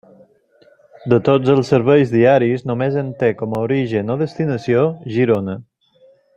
De tots els serveis diaris només un té com a origen o destinació Girona.